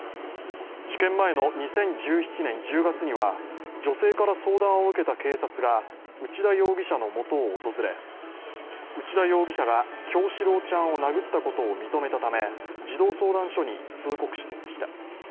事件前の２０１７年１０月には女性から相談を受けた警察が内田容疑者のもとを訪れ内田容疑者が叶志郎ちゃんを殴ったことを認めたため、児童相談所に通告していました。